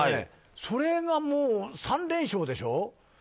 それがもう３連勝でしょ。